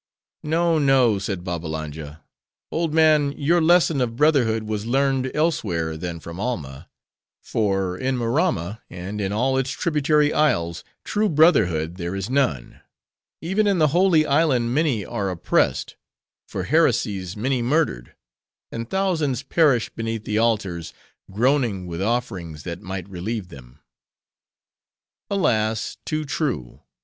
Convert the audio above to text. "No, no," said Babbalanja; "old man! your lesson of brotherhood was learned elsewhere than from Alma; for in Maramma and in all its tributary isles true brotherhood there is none. Even in the Holy Island many are oppressed; for heresies, many murdered; and thousands perish beneath the altars, groaning with offerings that might relieve them." "Alas! too true.